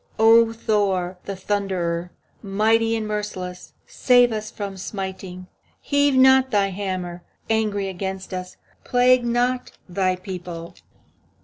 O Thor, the Thunderer, Mighty and merciless, Spare us from smiting! Heave not thy hammer, Angry, against us; Plague not thy people.